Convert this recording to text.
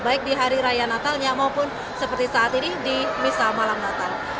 baik di hari raya natalnya maupun seperti saat ini di misa malam natal